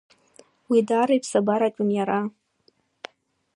Уи даара иԥсабаратәын иара.